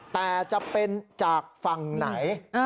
แต่จะเป็นจากฝั่งไหน